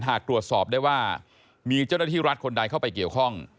หากตรวจสอบได้ว่ามีเจ้าหน้าที่รัฐคนใดเข้าไปเกี่ยวข้อง